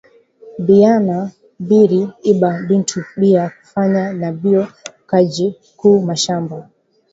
Biyana biri iba bintu bia ku fanya nabio Kaji ku mashamba